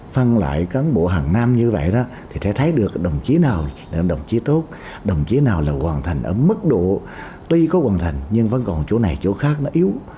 phân loại cán bộ hàng nam như vậy đó thì sẽ thấy được đồng chí nào đồng chí tốt đồng chí nào là hoàn thành ở mức độ tuy có hoàn thành nhưng vẫn còn chỗ này chỗ khác nó yếu